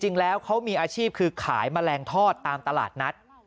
จริงแล้วเขามีอาชีพคือขายแมลงทอดตามตลาดนัด